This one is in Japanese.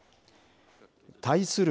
対する